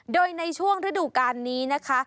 โดยในช่วงฤดูการนี้นะคะ